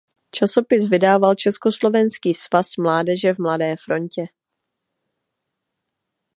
Časopis vydával Československý svaz mládeže v Mladé frontě.